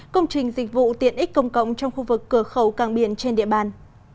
công trình dịch vụ tiện ích công cộng trong khu vực cửa khẩu càng biển trên địa bàn